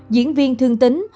diễn viên thương tính